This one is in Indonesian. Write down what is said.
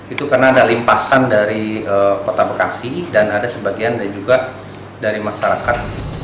itu karena ada limpasan dari kota bekasi dan ada sebagian juga dari masyarakat